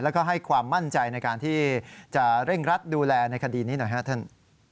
แล้วก็ให้ความมั่นใจในการที่จะเร่งรัดดูแลในคดีนี้หน่อยครับท่าน